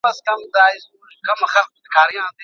رضایت د زړه سکون دی.